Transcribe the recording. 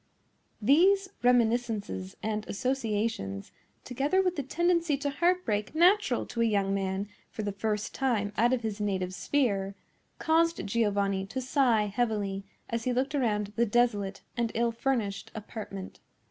These reminiscences and associations, together with the tendency to heartbreak natural to a young man for the first time out of his native sphere, caused Giovanni to sigh heavily as he looked around the desolate and ill furnished apartment.